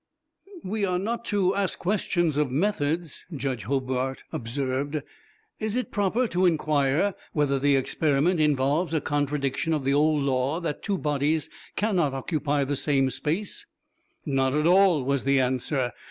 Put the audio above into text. "We are not to ask questions of methods," Judge Hobart observed. "Is it proper to inquire whether the experiment involves a contradiction of the old law that two bodies cannot occupy the same space?" "Not at all," was the answer.